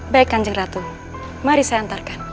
baik kanjeng ratu mari saya antarkan